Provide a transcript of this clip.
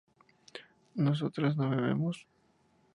¿nosotras no bebemos?